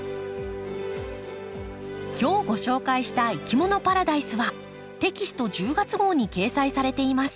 今日ご紹介した「いきものパラダイス」はテキスト１０月号に掲載されています。